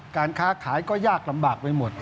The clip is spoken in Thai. การค้าขายก็ยากลำบากไปหมด